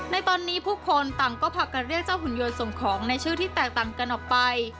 ในตอนนี้ผู้คนต่างก็พากันเรียกเจ้าหุ่นยนต์ส่งของในชื่อที่แตกต่างกันออกไป